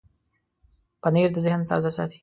پنېر د ذهن تازه ساتي.